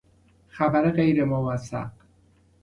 خبر غیر موثق